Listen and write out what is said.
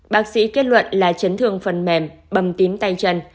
bác sĩ kết luận là chấn thương phần mềm bầm tím tay chân